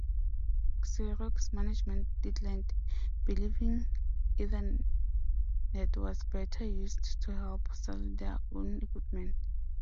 Xerox management declined, believing Ethernet was better used to help sell their own equipment.